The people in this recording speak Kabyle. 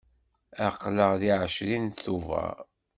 Aql-aɣ deg ɛecrin Tubeṛ.